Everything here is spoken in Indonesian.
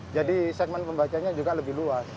jadi segmen pembacanya juga lebih luas